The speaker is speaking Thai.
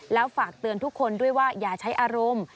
แล้วฝากเตือนทุกคนด้วยว่าอย่าใช้อารมณ์